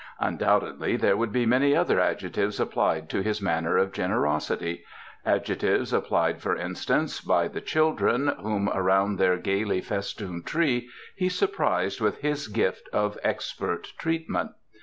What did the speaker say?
Undoubtedly there would be many other adjectives applied to his manner of generosity — ad jectives applied, for instance, by the children whom, around their gayly festooned tree, he surprised with his gift of expert treatment.